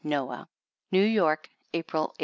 Noah. New York, April, 1839.